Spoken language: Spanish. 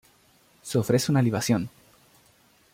Se ofrece una libación.